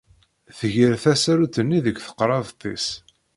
Tger tasarut-nni deg teqrabt-is.